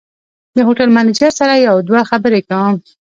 د هوټل منیجر سره یو دوه خبرې کوم.